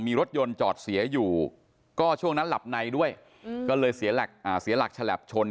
มีรถยนจอดเสื่ออยู่ก็ช่วงนั้นหลับในด้วยอืมก็เลยเสียแหลกเฉลพชน